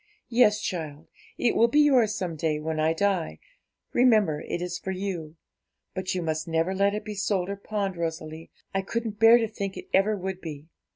'Yes, child; it will be yours some day, when I die; remember, it is for you; but you must never let it be sold or pawned, Rosalie, I couldn't bear to think it ever would be.